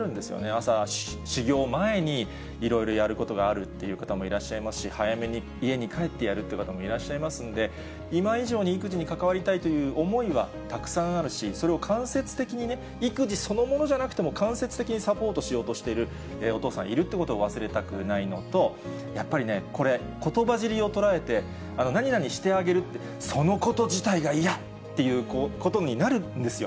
朝、始業前にいろいろやることがあるって方もいらっしゃいますし、早めに家に帰ってやるって方もいらっしゃいますんで、今以上に育児に関わりたいという思いはたくさんあるし、それを間接的にね、育児そのものじゃなくても間接的にサポートしようとしているお父さんいるっていうことを忘れたくないのと、やっぱりね、これ、ことば尻を捉えて、何々してあげるってそのこと自体が嫌！っていうことになるんですよ。